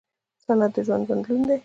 صنعت د ژوند بدلون دی.